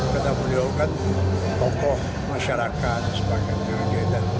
karena beliau kan tokoh masyarakat sebagai pekerja dan